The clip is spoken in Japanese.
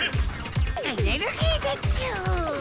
エネルギーでちゅ！